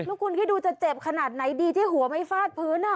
แล้วคุณคิดดูจะเจ็บขนาดไหนดีที่หัวไม่ฟาดพื้น